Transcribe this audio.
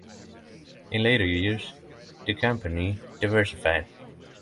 In later years, the company diversified.